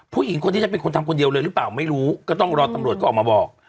ผู้หญิงคนนี้จะเป็นคนทำคนเดียวเลยหรือเปล่าไม่รู้ก็ต้องรอตำรวจก็ออกมาบอก